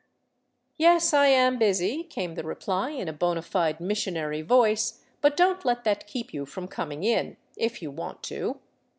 ..."" Yes, I am busy," came the reply, in a bona fide missionary voice, "but don't let that keep you from coming in — if you want to."